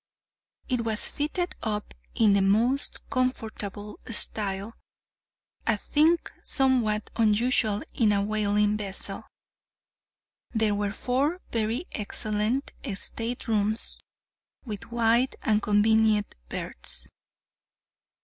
It was fitted up in the most comfortable style—a thing somewhat unusual in a whaling vessel. There were four very excellent staterooms, with wide and convenient berths.